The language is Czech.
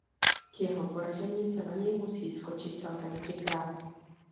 K jeho poražení se na něj musí skočit celkem třikrát.